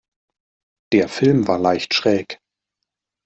Der Film war leicht schräg.